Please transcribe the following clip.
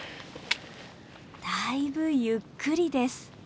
だいぶゆっくりです。